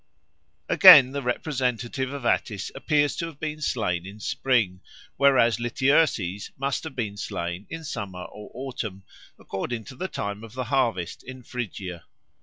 Again, the representative of Attis appears to have been slain in spring; whereas Lityerses must have been slain in summer or autumn, according to the time of the harvest in Phrygia.